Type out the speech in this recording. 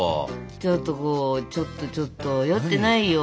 ちょっとこうちょっとちょっと酔ってないよ。